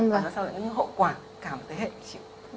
và nó sẽ là những hậu quả cả một thế hệ chịu